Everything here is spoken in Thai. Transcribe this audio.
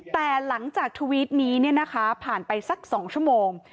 แต่หลังจากทวิตนี้ผ่านไปสัก๒ชั่วโมง